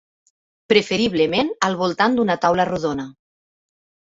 Preferiblement al voltant d'una taula rodona.